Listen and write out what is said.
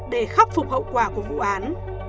để khắc phục hậu quả của vụ án